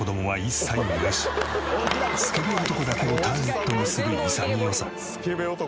スケベ男だけをターゲットにする潔さ。